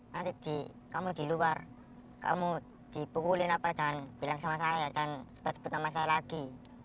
nanti kamu di luar kamu dipukulin apa jangan bilang sama saya jangan sebut sebut sama saya lagi